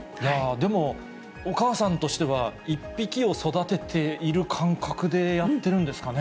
でもお母さんとしては、１匹を育てている感覚でやってるんですかね。